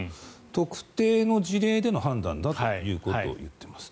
特定の事例での判断だということを言っています。